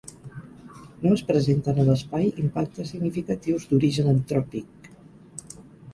No es presenten a l’espai impactes significatius d’origen antròpic.